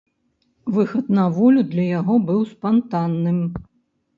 Выхад на волю для яго быў спантанным.